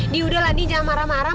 di udahlah nidja marah marah